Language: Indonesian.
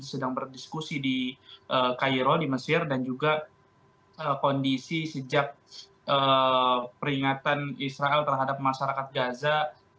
sedang berdiskusi di cairo di mesir dan juga kondisi sejak peringatan israel terhadap masyarakat gaza